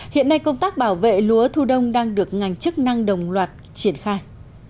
hiện nay công tác bảo vệ lúa thu đông đang được ngành chức năng đồng loạt triển khai